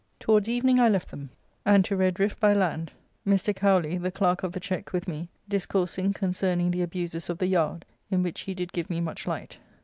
Towards evening I left them, and to Redriffe by land, Mr. Cowly, the Clerk of the Cheque, with me, discoursing concerning the abuses of the yard, in which he did give me much light.